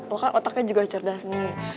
oh kan otaknya juga cerdas nih